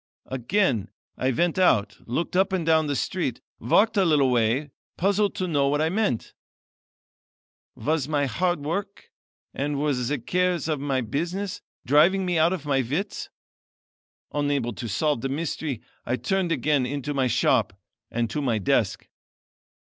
"Again I went out, looked up and down the street, walked a little way, puzzled to know what I meant. Was my hard work and were the cares of business driving me out of my wits? Unable to solve the mystery I turned again into my shop and to my desk.